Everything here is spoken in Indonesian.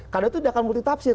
karena itu tidak akan multitapsir